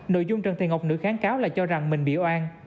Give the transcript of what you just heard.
nội dung trần tiền ngọc nữ kháng cáo là cho rằng mình bị oan